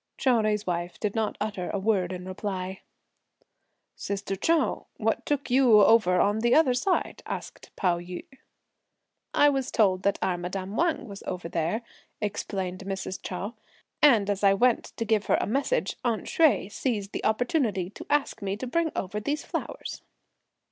Chou Jui's wife did not utter a word in reply. "Sister Chou, what took you over on the other side?" asked Pao yü. "I was told that our madame Wang was over there," explained Mrs. Chou, "and as I went to give her a message, 'aunt' Hsüeh seized the opportunity to ask me to bring over these flowers."